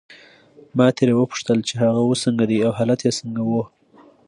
ما ترې وپوښتل چې هغه اوس څنګه دی او حالت یې څنګه وو.